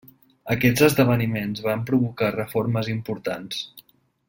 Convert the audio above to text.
Aquests esdeveniments van provocar reformes importants.